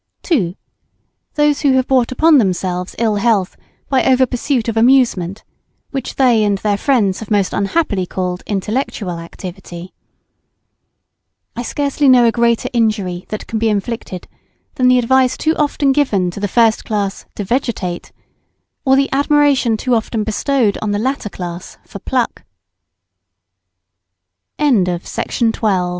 2. Those who have brought upon themselves ill health by over pursuit of amusement, which they and their friends have most unhappily called intellectual activity. I scarcely know a greater injury that can be inflicted than the advice too often given to the first class to "vegetate" or than the admiration too often bestowe